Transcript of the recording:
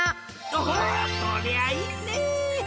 おおそりゃあいいね！